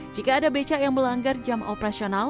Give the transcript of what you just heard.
jika ada becak yang melanggar jam operasional